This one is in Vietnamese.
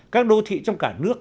các đô thị trong cả nước